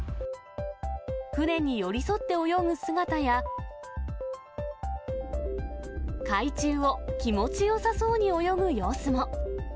船に寄り添って泳ぐ姿や、海中を気持ちよさそうに泳ぐ様子も。